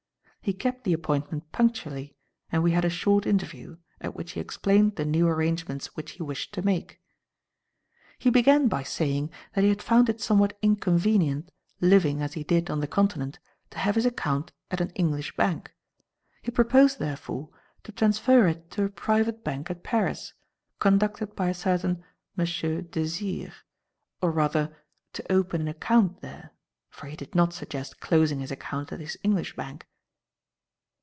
He kept the appointment punctually, and we had a short interview, at which he explained the new arrangements which he wished to make. "He began by saying that he had found it somewhat inconvenient, living, as he did, on the Continent, to have his account at an English Bank. He proposed, therefore, to transfer it to a private bank at Paris, conducted by a certain M. Desire, or rather to open an account there, for he did not suggest closing his account at his English bank."